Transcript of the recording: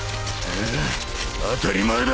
ああ当たり前だ。